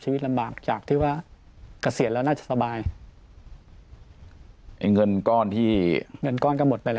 ลำบากจากที่ว่าเกษียณแล้วน่าจะสบายไอ้เงินก้อนที่เงินก้อนก็หมดไปแล้ว